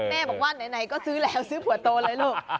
แม่บอกว่าไหนก็ซื้อแล้วซื้อผัวโตเลยลูก